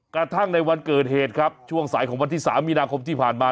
กระทั่งในวันเกิดเหตุครับช่วงสายของวันที่๓มีนาคมที่ผ่านมา